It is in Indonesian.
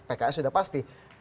pks sudah pasti